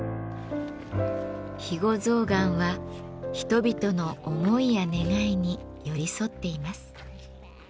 肥後象がんは人々の思いや願いに寄り添っています。